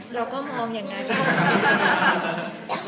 แพทย์ค่อยมองว่าชีวิตเราเหมือนสะพอเรามองอยู่